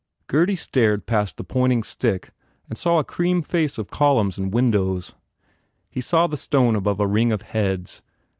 Gurdy stared past the pointing stick and saw a cream face of columns and windows. He saw the stone above a ring of heads.